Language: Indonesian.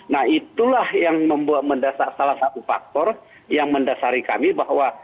nah itulah yang membuat mendasar salah satu faktor yang mendasari kami bahwa